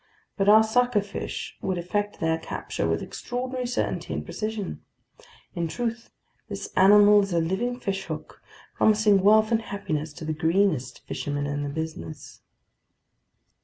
But our suckerfish would effect their capture with extraordinary certainty and precision. In truth, this animal is a living fishhook, promising wealth and happiness to the greenest fisherman in the business.